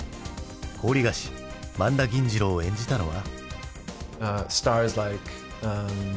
高利貸し萬田銀次郎を演じたのは。